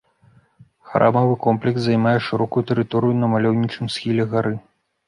Храмавы комплекс займае шырокую тэрыторыю на маляўнічым схіле гары.